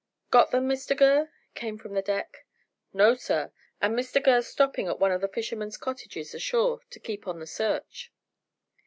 "Got them, Mr Gurr?" came from the deck. "No sir, and Mr Gurr's stopping at one of the fishermen's cottages ashore to keep on the search."